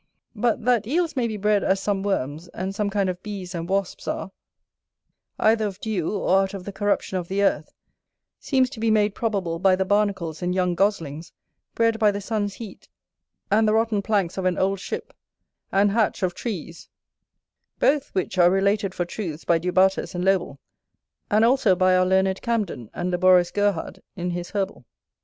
But that Eels may be bred as some worms, and some kind of bees and wasps are, either of dew, or out of the corruption of the earth, seems to be made probable by the barnacles and young goslings bred by the sun's heat and the rotten planks of an old ship, and hatched of trees; both which are related for truths by Du Bartas and Lobel, and also by our learned Camden, and laborious Gerhard in his Herbal.